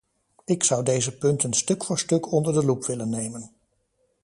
Ik zou deze punten stuk voor stuk onder de loep willen nemen.